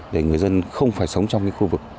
để người dân không phải sống trong khu vực